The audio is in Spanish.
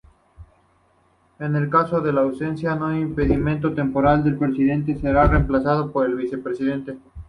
En caso de ausencia o impedimento temporal del Presidente, será reemplazado por el Vicepresidente.